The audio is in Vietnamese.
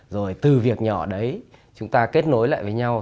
rồi từ việc nhỏ đấy chúng ta kết nối lại với nhau